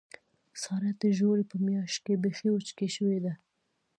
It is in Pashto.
ساره د روژې په میاشت کې بیخي وچکۍ شوې ده.